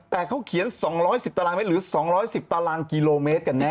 แต่เขาเขียน๒๑๐ตารางเมตรหรือ๒๑๐ตารางกิโลเมตรกันแน